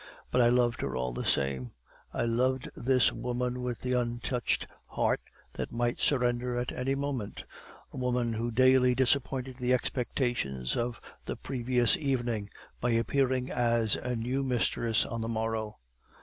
But I loved her all the same; I loved this woman with the untouched heart that might surrender at any moment a woman who daily disappointed the expectations of the previous evening, by appearing as a new mistress on the morrow.